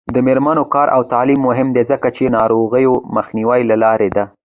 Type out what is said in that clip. د میرمنو کار او تعلیم مهم دی ځکه چې ناروغیو مخنیوي لاره ده.